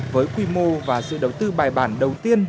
với quy mô và sự đầu tư bài bản đầu tiên